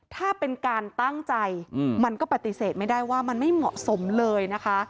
ถ้าเป็นการตั้งใจมันก็ปฏิเสธไม่ได้ว่ามันไม่เหมาะสมเลยนะคะ